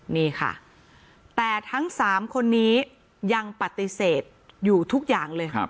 นี่ค่ะแต่ทั้ง๓คนนี้ยังปฏิเสธอยู่ทุกอย่างเลย